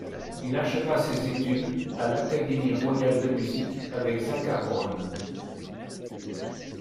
Il acheva ses études à l'Académie Royale de Musique avec Zakhar Bron.